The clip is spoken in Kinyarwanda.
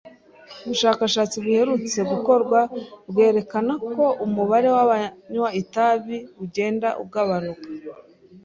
Ubushakashatsi buherutse gukorwa bwerekana ko umubare w'abanywa itabi ugenda ugabanuka.